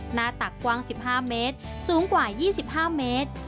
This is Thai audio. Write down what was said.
หน้าตักกว้าง๑๕เมตรสูงกว่า๒๕เมตร